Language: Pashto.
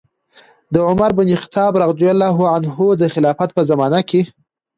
د عمر بن الخطاب رضي الله عنه د خلافت په زمانه کې